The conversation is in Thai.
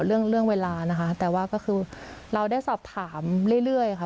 เรื่องเรื่องเวลานะคะแต่ว่าก็คือเราได้สอบถามเรื่อยค่ะ